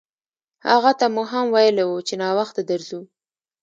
هغه ته مو هم ویلي وو چې ناوخته درځو.